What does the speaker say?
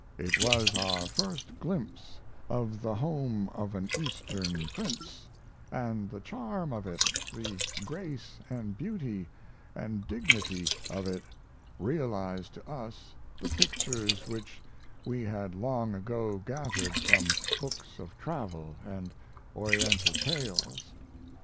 It was our first glimpse of the home of an Eastern Prince, & the charm of it, the grace & beauty & dignity of it realized to us the pictures which we had long ago gathered from books of travel & Oriental tales.